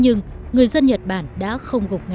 nhưng người dân nhật bản đã không gục ngã